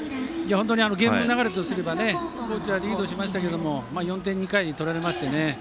ゲームの流れとしては高知はリードしましたけど４点２回で取られましたよね。